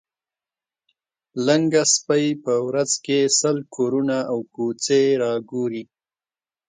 لنګه سپۍ په ورځ کې سل کورونه او کوڅې را ګوري.